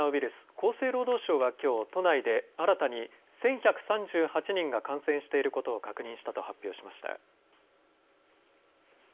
厚生労働省はきょう都内で新たに１１３８人が感染していることを確認したと発表しました。